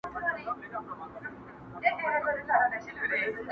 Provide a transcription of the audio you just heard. o خوار سړى، ابلک ئې سپى!